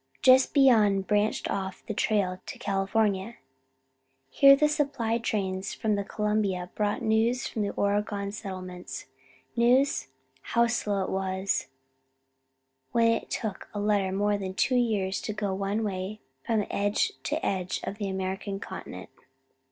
Just beyond branched off the trail to California. Here the supply trains from the Columbia brought news from the Oregon settlements. News? How slow it was, when it took a letter more than two years to go one way from edge to edge of the American continent!